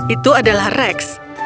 itu adalah rex